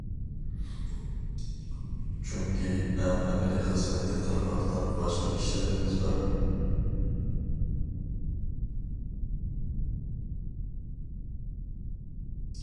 چۈنكى ئەڭ ئەمەلىي خىزمەتنى قىلىۋاتقان باشقا كىشىلىرىمىز بار.